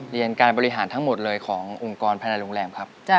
เรียนการบริหารทั้งหมดเลยขององค์กรภายในโรงแรมครับ